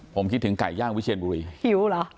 ผมคิดถึงไก่ย่างวิเชียนบุรีหิวเหรอ